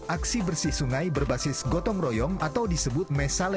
aksi bersih sungai berbasis gotong royong atau disebut mesalem